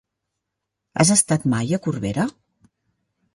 Has estat mai a Corbera?